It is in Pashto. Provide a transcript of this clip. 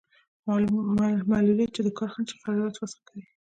معلولیت چې د کار خنډ شي قرارداد فسخه کوي.